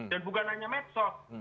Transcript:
dan bukan hanya medsov